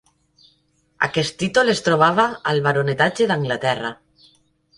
Aquest títol es trobava al Baronetage d'Anglaterra.